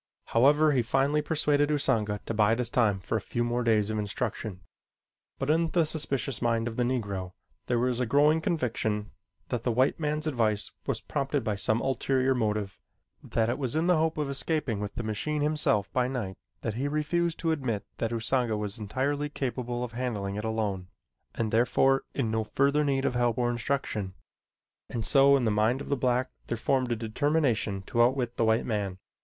However, he finally persuaded Usanga to bide his time for a few more days of instruction, but in the suspicious mind of the Negro there was a growing conviction that the white man's advice was prompted by some ulterior motive; that it was in the hope of escaping with the machine himself by night that he refused to admit that Usanga was entirely capable of handling it alone and therefore in no further need of help or instruction, and so in the mind of the black there formed a determination to outwit the white man.